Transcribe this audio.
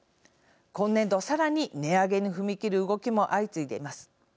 今年度、さらに値上げに踏み切る動きも相次いでいます。